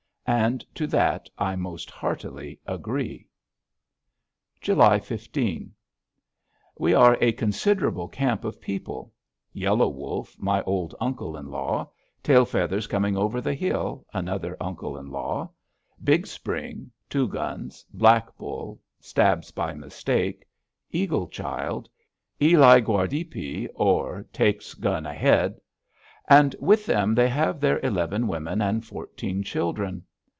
And to that I most heartily agree. July 15. We are a considerable camp of people: Yellow Wolf, my old uncle in law; Tail Feathers Coming over the Hill, another uncle in law; Big Spring; Two Guns; Black Bull; Stabs by Mistake; Eagle Child; Eli Guardipe, or Takes Gun Ahead. And with them they have their eleven women and fourteen children.